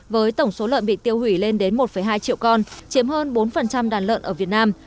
với tổng số lợn bị tiêu hủy lên đến một hai triệu con chiếm hơn bốn đàn lợn ở việt nam